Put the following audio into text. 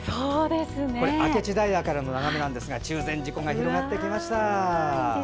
明智平からの眺めなんですが中禅寺湖が広がってきました。